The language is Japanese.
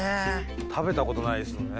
食べたことないですよね。